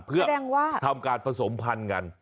เพื่อทำการผสมพันธุ์กัน